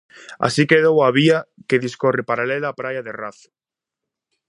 Así quedou a vía que discorre paralela á praia de Razo.